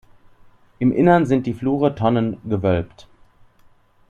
Im Inneren sind die Flure tonnengewölbt.